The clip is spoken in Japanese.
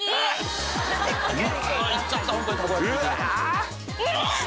うわいっちゃったホントに。